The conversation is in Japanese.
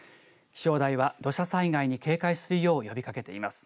気象台は土砂災害に警戒するよう呼びかけています。